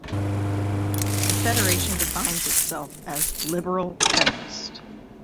The federation defines itself as liberal feminist.